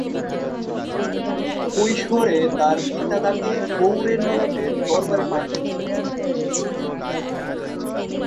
কৈশোরে তার পিতা তাকে গৌড়ের নবাবের দরবারে পাঠিয়ে দেন।